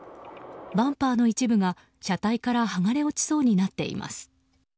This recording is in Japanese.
バンパーの一部が車体から剥がれ落ちそうになっています。